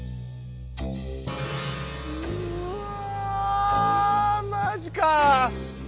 うわマジかあ。